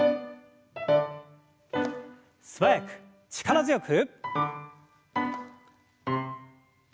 素早く力強く。